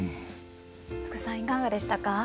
福さんいかがでしたか？